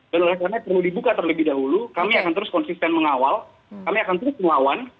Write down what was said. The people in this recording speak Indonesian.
dan oleh karena perlu dibuka terlebih dahulu kami akan terus konsisten mengawal kami akan terus melawan